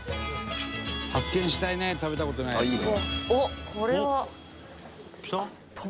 「発見したいね食べた事ないやつ」